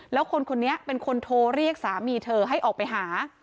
แล้วคนคนนี้เป็นคนโทรเรียกสามีเธอให้ออกไปหา